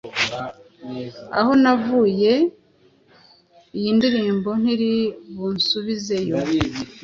Aho navuye iyi ndirimbo ntiri bunsubizeyo